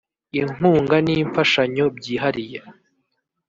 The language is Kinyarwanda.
Inkunga n imfashanyo byihariye